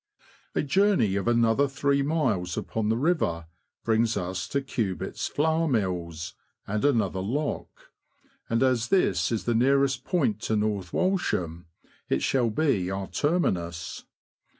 A journey of another three miles upon the river brings us to Cubit's flour mills, and another lock ; and as this is the nearest point to North Walsham, it shall be our terminus.